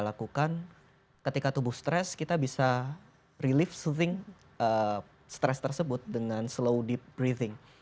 lakukan ketika tubuh stres kita bisa relief soothing stres tersebut dengan slow deep breathing